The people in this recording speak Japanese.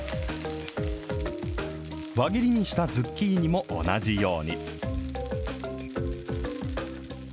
輪切りにしたズッキーニも同じように。